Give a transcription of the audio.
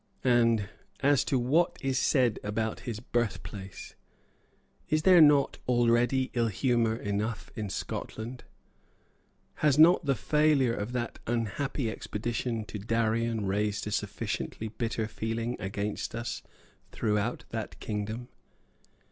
And, as to what is said about his birthplace, is there not already ill humour enough in Scotland? Has not the failure of that unhappy expedition to Darien raised a sufficiently bitter feeling against us throughout that kingdom?